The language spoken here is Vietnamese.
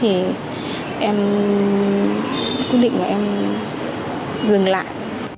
em quyết định là em dừng lại